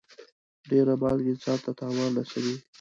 ډېر مالګه انسان ته تاوان رسوي.